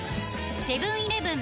セブン−イレブン